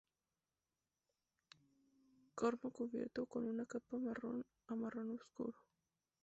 Cormo cubierto con una capa marrón a marrón oscuro.